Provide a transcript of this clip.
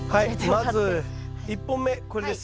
まず１本目これです。